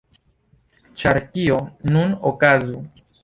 Ĉar kio nun okazu?